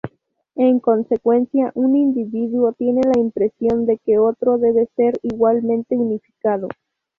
En consecuencia, un individuo tiene la impresión de que otro debe ser igualmente unificado.